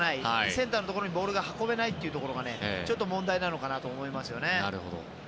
センターのところにボールが運べないというところがちょっと問題なのかなと思いますよね。